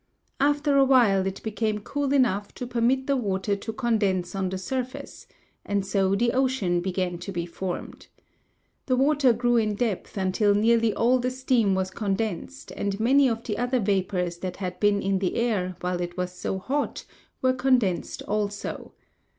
After a while it became cool enough to permit the water to condense on the surface and so the ocean began to be formed. The water grew in depth until nearly all the steam was condensed and many of the other vapors that had been in the air while it was so hot were condensed also.